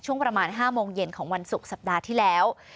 ช่วงประมาณ๕โมงเย็นของวันศุกร์สัปดาห์ที่แล้ว